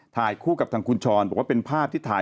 ถ่ายคู่กับทางคุณช้อนบอกว่าเป็นภาพที่ถ่าย